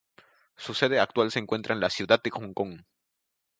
Su sede actual se encuentra en la ciudad de Hong Kong.